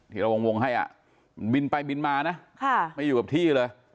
ที่เราวงให้มันบินไปบินมานะไม่อยู่กับที่เลย